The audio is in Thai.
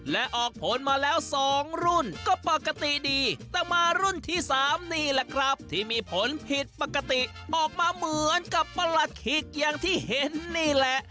และออกผลมาแล้ว๒รุ่นก็ปกติดีแต่มารุ่นที่๓นี่แหละครับที่มีผลผิดปกติออกมาเหมือนกับประหลัดขิกอย่างที่เห็นนี่แหละ